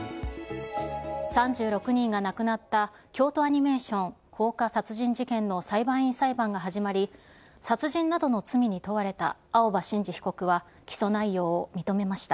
３６人が亡くなった京都アニメーション放火殺人事件の裁判員裁判が始まり、殺人などの罪に問われた青葉真司被告は起訴内容を認めました。